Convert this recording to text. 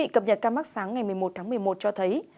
cập nhật ca mắc sáng ngày một mươi một tháng một mươi một cho thấy